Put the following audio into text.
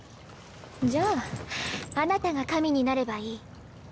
じゃああなたが神になればいい。